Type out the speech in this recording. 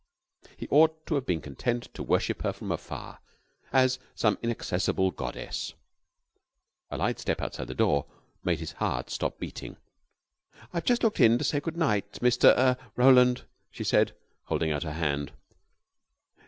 He ought to have been content to worship her from afar as some inaccessible goddess. A light step outside the door made his heart stop beating. "I've just looked in to say good night, Mr. er Roland," she said, holding out her hand.